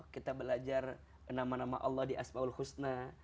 kita belajar nama nama allah di asmaul husna